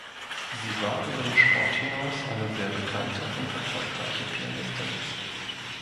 Sie war über den Sport hinaus eine sehr bekannte und erfolgreiche Pianistin.